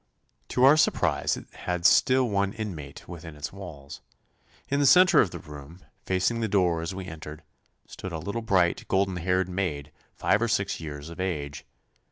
To our surprise it had still one inmate within its walls. In the centre of the room, facing the door as we entered, stood a little bright, golden haired maid, five or six years of age.